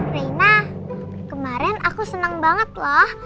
rina kemarin aku senang banget loh